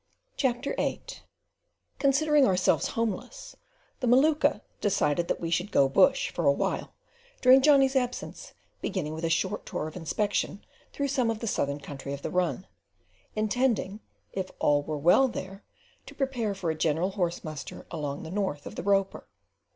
CHAPTER VIII Considering ourselves homeless, the Maluka decided that we should "go bush" for awhile during Johnny's absence beginning with a short tour of inspection through some of the southern country of the run; intending, if all were well there, to prepare for a general horse muster along the north of the Roper.